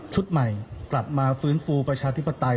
ใหม่กลับมาฟื้นฟูประชาธิปไตย